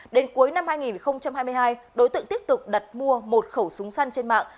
đến cuối năm hai nghìn hai mươi hai đối tượng tiếp tục đặt mua một khẩu súng săn trên mạng